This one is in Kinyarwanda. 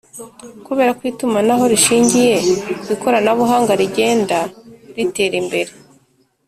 kubera ko itumanaho rishingiye ku ikoranabuhanga rigenda ritera imbere